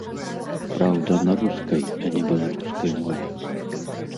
Праўда, на рускай, а не беларускай мове.